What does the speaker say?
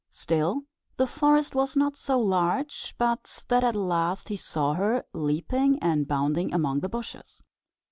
Still, the forest was not so large, but that at last he saw her, leaping and bounding among the bushes.